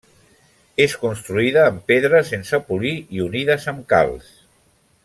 És construïda amb pedres sense polir i unides amb calç.